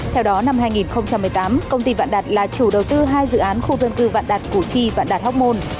theo đó năm hai nghìn một mươi tám công ty vạn đạt là chủ đầu tư hai dự án khu dân cư vạn đạt củ chi vạn đạt hóc môn